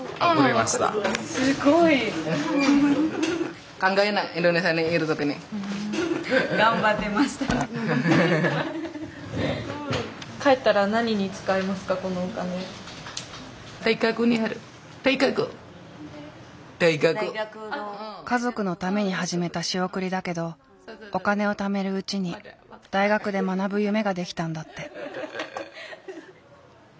すごい。家族のために始めた仕送りだけどお金をためるうちに大学で学ぶ夢ができたんだって。